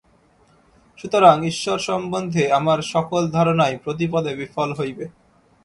সুতরাং ঈশ্বর-সম্বন্ধে আমার সকল ধারণাই প্রতি পদে বিফল হইবে।